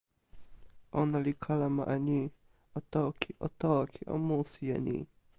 ona li kalama e ni: "o toki, o toki, o musi e ni!"